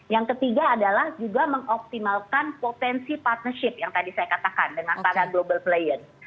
yang ketiga adalah juga mengoptimalkan potensi partnership yang tadi saya katakan dengan para global playan